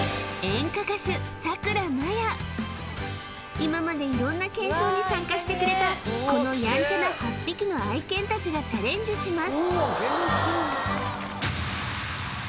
今までいろんな検証に参加してくれたこのやんちゃな８匹の愛犬たちがチャレンジします